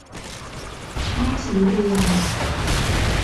แม่ศรีเรือน